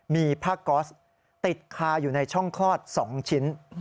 มีผ้าก๊อสติดคาอยู่ในช่องคลอด๒ชิ้น